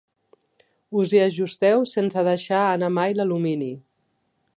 Us hi ajusteu sense deixar anar mai l'alumini.